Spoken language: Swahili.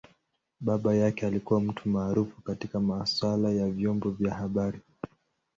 Baba yake alikua mtu maarufu katika masaala ya vyombo vya habari.